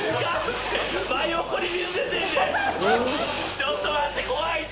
ちょっと待って怖いて。